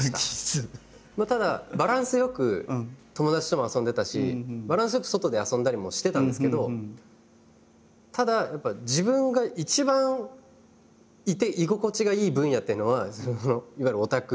ただバランスよく友達とも遊んでたしバランスよく外で遊んだりもしてたんですけどただやっぱり自分が一番いて居心地がいい分野っていうのはいわゆるオタク。